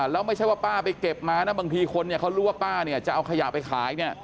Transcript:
แล้วไม่ใช่ว่าป้าไปเก็บมานะบางทีคนเขารู้ว่าป้าจะเอาขยะไปขาย